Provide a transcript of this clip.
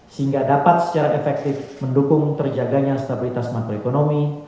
sehingga dapat secara efektif mendukung terjaganya stabilitas makroekonomi